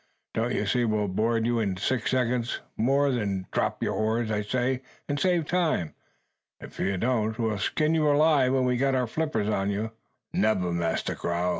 Don't you see we'll board you in six seconds more? Drop your oars, I say, and save time. If you don't, we'll skin you alive when we've got our flippers upon you." "Nebba, Massa Grow!"